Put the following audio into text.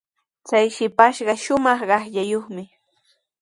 Chay shipashqa shumaq qaqllayuqmi.